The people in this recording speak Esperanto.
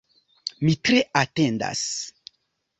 Mi tre atendas.